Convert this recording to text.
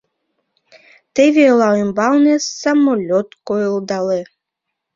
Теве ола ӱмбалне самолет койылдале.